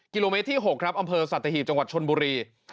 กิโลเมตรที่๖ครับอำเภอสัตหีบจังหวัดชนบุรี